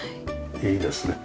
いいですね。